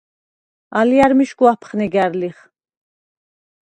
ალჲა̈რ მიშგუ აფხნეგა̈რ ლიხ.